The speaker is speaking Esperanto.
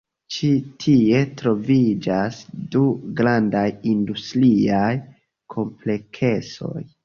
Ĉi tie troviĝas du grandaj industriaj kompleksoj.